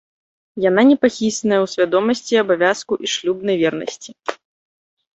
Яна непахісная ў свядомасці абавязку і шлюбнай вернасці.